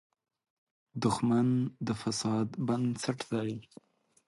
دښمن د فساد بنسټ دی